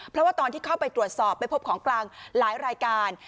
เพราะว่าตอนที่เข้าไปตรวจสอบไปพบของกลางหลายรายการ